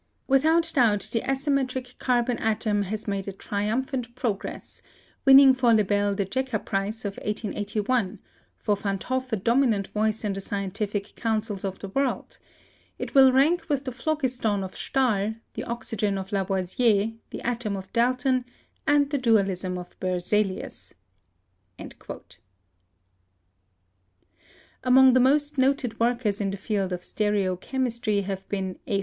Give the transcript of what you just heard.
With out doubt the asymmetric carbon atom has made a tri umphant progress, winning for Le Bel the Jecker prize of 188 1, for Van't Hoff a dominant voice in the scientific councils of the world; it will rank with the phlogiston of Stahl, the oxygen of Lavoisier, the atom of Dalton, and the dualism of Berzelius." Among the most noted workers in the field of stereo chemistry have been A.